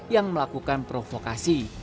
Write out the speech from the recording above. yang melakukan provokasi